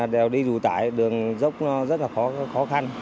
đều đi dù tải đường dốc nó rất là khó khăn